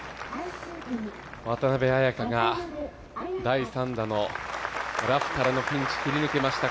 渡邉彩香が、第３打のラフからのピンチを切り抜けました。